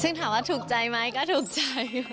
ซึ่งถามว่าถูกใจไหมก็ถูกใจ